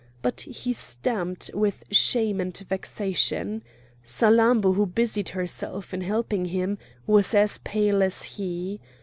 But he stamped with shame and vexation; Salammbô, who busied herself in helping him, was as pale as he.